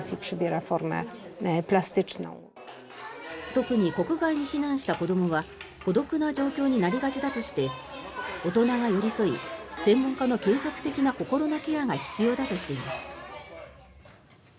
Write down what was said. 特に国外に避難した子どもは孤独な状況になりがちだとして大人が寄り添い専門家の継続的な心のケアが必要だとしています。